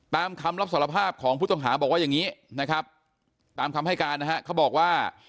ตามคำรับสารภาพของผู้ต้องหาบอกว่าอย่างนี้นะครับตามคำให้การนะฮะเขาบอกว่า